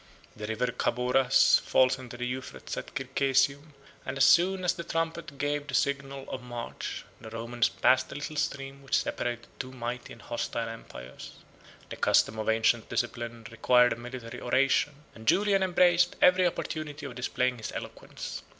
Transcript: The River Chaboras falls into the Euphrates at Circesium; 42 and as soon as the trumpet gave the signal of march, the Romans passed the little stream which separated two mighty and hostile empires. The custom of ancient discipline required a military oration; and Julian embraced every opportunity of displaying his eloquence.